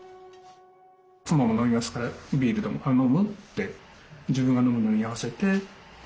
妻も飲みますから「ビールでも飲む？」って自分が飲むのに合わせて渡して。